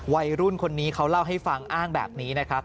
วัยรุ่นคนนี้เขาเล่าให้ฟังอ้างแบบนี้นะครับ